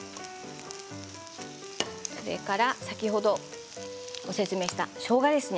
それから先ほど説明したしょうがです。